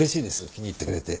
気に入ってくれて。